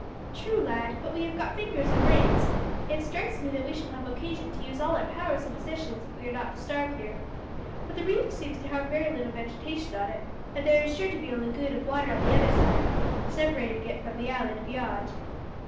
"True, lad; but we have got fingers and brains. It strikes me that we shall have occasion to use all our powers and possessions if we are not to starve here, for the reef seems to have very little vegetation on it, and there is sure to be a lagoon of water on the other side, separating it from the island beyond."